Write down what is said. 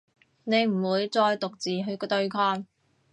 你唔會再獨自去對抗